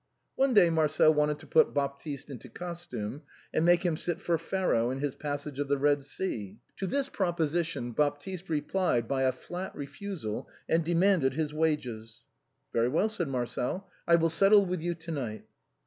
One day Marcel wanted to put Baptiste into costume, and make him sit for Pharoah in his " Passage of the Eed Sea." To this proposition Baptiste replied by a flat re fusal, and demanded his wages. " Very well," said Marcel, " I will settle with you to night."